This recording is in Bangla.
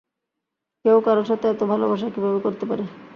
কেউ কারো সাথে এতো ভালোবাসা কিভাবে করতে পারে?